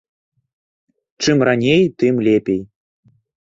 Чым раней, тым лепей.